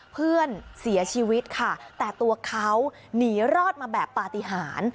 เพื่อนเสียชีวิตค่ะแต่ตัวเขาหนีรอดมาแบบปฏิหาร